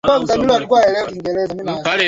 Wazee walifurahia kutoa simulizi za hadithi.